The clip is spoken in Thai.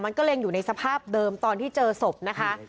มันก็เลยอยู่ในสภาพเดิมตอนที่เจอศพนะคะ